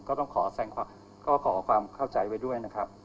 ก็ต้องขอแสงความขอความเข้าใจไว้ด้วยนะครับ